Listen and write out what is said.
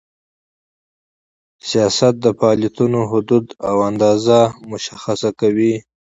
سیاست د فعالیتونو حدود او اندازه مشخص کوي.